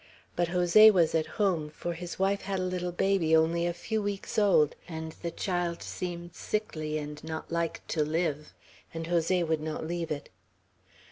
But Jose was at home; for his wife had a little baby only a few weeks old, and the child seemed sickly and not like to live, and Jose would not leave it.